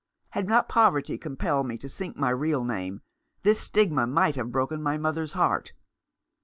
Had not poverty compelled me to sink my real name, this stigma might have broken my mother's heart.